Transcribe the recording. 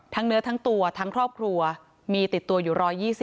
เนื้อทั้งตัวทั้งครอบครัวมีติดตัวอยู่๑๒๐